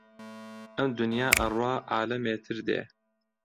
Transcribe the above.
ئەم دونیا ئەڕوا عالەمێتر دێ